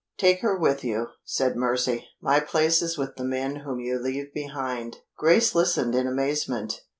"Take her with you," said Mercy. "My place is with the men whom you leave behind." Grace listened in amazement.